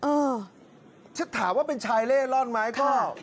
ดูแต่งตัวถ้าถามว่าเป็นชายเล่ล้อนไหม